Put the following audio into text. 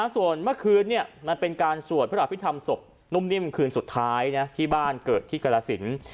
ส่วนเมื่อคืนมันเป็นการสวดพระอภิษฐรรมศพนุ่มนิ่มคืนสุดท้ายที่บ้านเกิดที่กรสิน